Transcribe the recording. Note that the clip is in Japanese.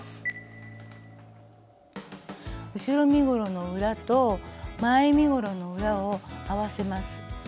後ろ身ごろの裏と前身ごろの裏を合わせます。